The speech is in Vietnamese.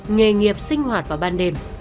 nghề nghiệp sinh hoạt vào ban đêm